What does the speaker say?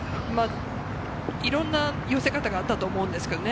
いろんな寄せ方があったと思うんですけどね。